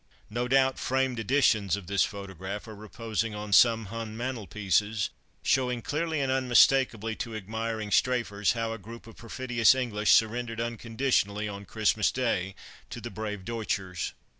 No doubt framed editions of this photograph are reposing on some Hun mantelpieces, showing clearly and unmistakably to admiring strafers how a group of perfidious English surrendered unconditionally on Christmas Day to the brave Deutschers.